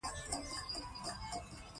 بوتل د فلمونو او نندارو برخه هم ګرځي.